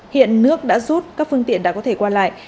hiện nước đã rút các phương tiện đã có thể qua lại